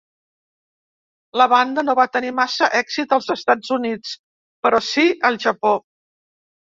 La banda no va tenir massa èxit als Estats Units, però sí al Japó.